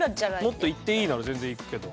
もっといっていいなら全然いくけど。